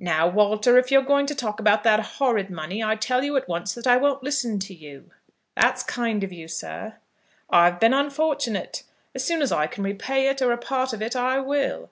"Now, Walter, if you're going to talk about that horrid money, I tell you at once, that I won't listen to you." "That's kind of you, sir." "I've been unfortunate. As soon as I can repay it, or a part of it, I will.